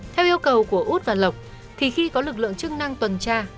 theo yêu cầu của út và lộc thì khi có lực lượng chức năng tuần tra